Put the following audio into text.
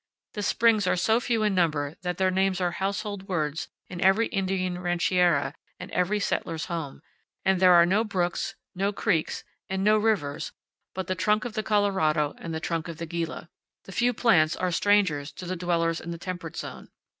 The springs are so few in number that their names are household words in every Indian rancheria and every 23 powell canyons 5.jpg CLIFF NEAR FORT WINGATE. settler's home; and there are no brooks, no creeks, and no rivers but the trunk of the Colorado and the trunk of the Gila. The few plants are strangers to the dwellers in the temperate zone.